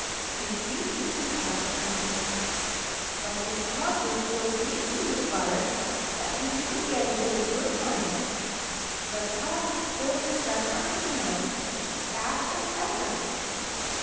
He seized the bean pot and pulled. But his paws were so greasy with butter that he couldn't get a good grip on it. The pot still stuck on his nose as fast as ever.